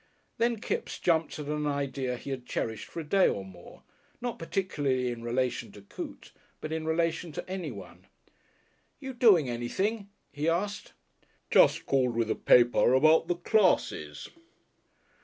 Then Kipps jumped at an idea he had cherished for a day or more, not particularly in relation to Coote, but in relation to anyone. "You doing anything?" he asked. "Just called with a papah about the classes."